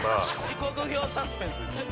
「時刻表サスペンスですよ」